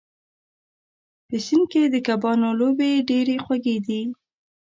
په سیند کې د کبانو لوبې ډېرې خوږې دي.